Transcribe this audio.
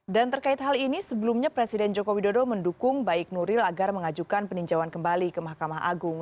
dan terkait hal ini sebelumnya presiden joko widodo mendukung baik nuril agar mengajukan peninjauan kembali ke mahkamah agung